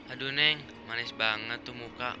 aduh nih manis banget tuh muka